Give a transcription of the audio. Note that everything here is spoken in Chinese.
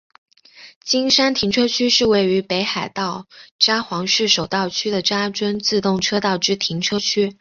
金山停车区是位于北海道札幌市手稻区的札樽自动车道之停车区。